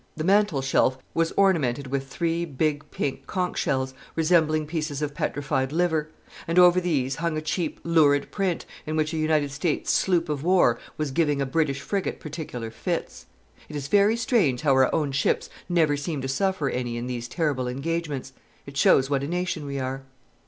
The mantel shelf was ornamented with three big pink conch shells, resembling pieces of petrified liver; and over these hung a cheap lurid print, in which a United States sloop of war was giving a British frigate particular fits. It is very strange how our own ships never seem to suffer any in these terrible engagements. It shows what a nation we are.